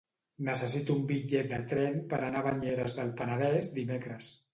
Necessito un bitllet de tren per anar a Banyeres del Penedès dimecres.